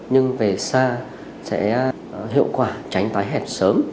nhưng về xa sẽ hiệu quả tránh tái hẹp